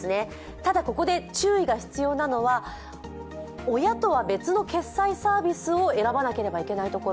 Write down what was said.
ただ、ここで注意が必要なのは、親とは別の決済サービスを選ばなければいけないところ。